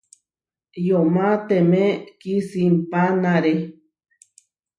Yomá temé kisimpánare.